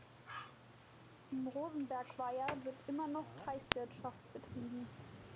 Im Rosenberg-Weiher wird immer noch Teichwirtschaft betrieben.